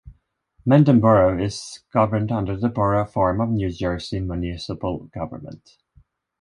Mendham Borough is governed under the Borough form of New Jersey municipal government.